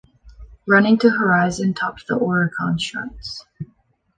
"Running to Horizon" topped the Oricon charts.